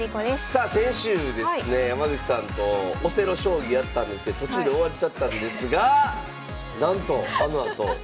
さあ先週ですね山口さんとオセロ将棋やったんですけど途中で終わっちゃったんですがなんとあのあと。